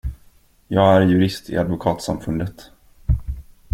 Jag är jurist i advokatsamfundet.